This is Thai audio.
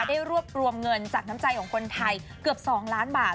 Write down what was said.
ได้รวบรวมเงินจากน้ำใจของคนไทยเกือบ๒ล้านบาท